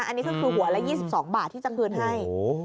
อันนี้ก็คือหัวละ๒๒บาทที่จะคืนให้